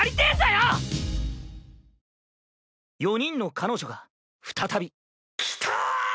４人の彼女が再びキタ！